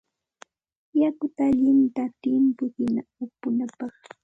Yakuta allinta timputsina upunapaq.